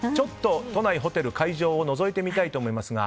都内ホテル会場をのぞいてみたいと思いますが。